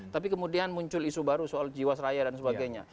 tapi kemudian muncul isu baru soal jiwasraya dan sebagainya